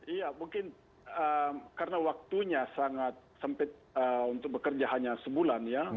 iya mungkin karena waktunya sangat sempit untuk bekerja hanya sebulan ya